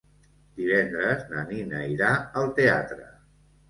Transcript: Divendres na Nina irà al teatre.